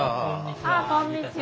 ああこんにちは。